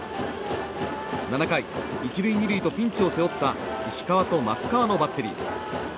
７回、１塁２塁とピンチを背負った石川と松川のバッテリー。